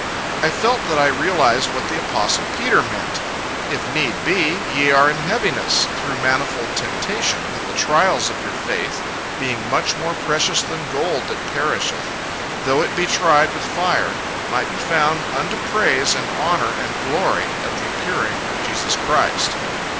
I felt that I realized what the apostle Peter meant: "If need be, ye are in heaviness, through manifold temptation, that the trials of your faith, being much more precious than gold that perisheth, though it be tried with fire, might be found unto praise and honor and glory, at the appearing of Jesus Christ."